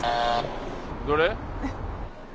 どれ？